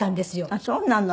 あっそうなの。